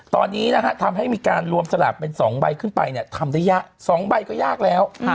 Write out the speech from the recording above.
ตอนนี้นะฮะทำให้มีการรวมสลากเป็น๒ใบขึ้นไปเนี่ยทำได้ยาก๒ใบก็ยากแล้ว